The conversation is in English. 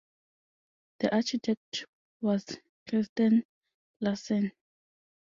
The architect was Christen Larsen.